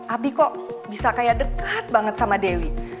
abi kok bisa kayak deket banget sama dewi